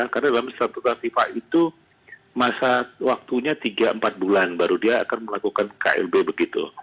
karena dalam satu tatifat itu masa waktunya tiga empat bulan baru dia akan melakukan klb begitu